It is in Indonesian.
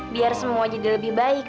biar semua jadi lebih baik